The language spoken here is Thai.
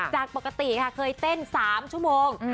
จากปกติค่ะเคยเต้น๓ชั่วโมง